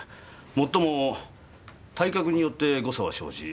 もっとも体格によって誤差は生じ